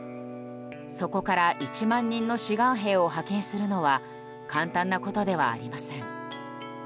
そこから１万人の志願兵を派遣するのは簡単なことではありません。